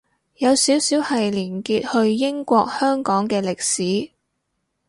有少少係連結去英國香港嘅歷史